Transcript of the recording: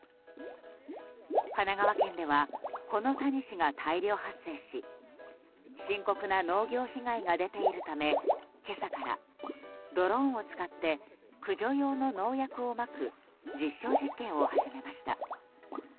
神奈川県ではこのタニシが大量発生し深刻な農業被害が出ているため今朝からドローンを使って駆除用の農薬をまく実証実験を始めました。